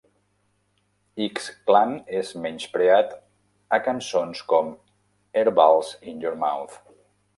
X-Clan és menyspreat a cançons com Herbalz in Your Mouth.